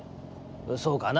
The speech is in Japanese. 「そうかな？」。